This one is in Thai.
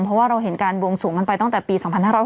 เพราะว่าเราเห็นการบวงสวงกันไปตั้งแต่ปี๒๕๖๒